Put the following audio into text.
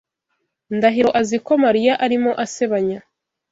Ndahiro azi ko Mariya arimo asebanya.